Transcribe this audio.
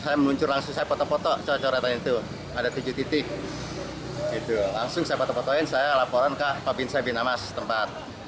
wujud langsung saya foto foto ada tujuh titik langsung saya foto fotoin saya laporan ke pak bin syed bin amas tempat